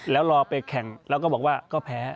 แล้วรอไปแข่งแล้วก็บอกว่าก็แพ้